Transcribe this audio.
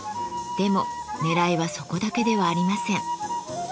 でも狙いはそこだけではありません。